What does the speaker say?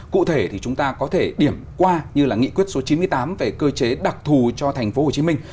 cụ thể thì chúng ta có thể điểm qua như là nghị quyết số chín mươi tám về cơ chế đặc thù cho thành phố hồ chí minh